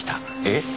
えっ？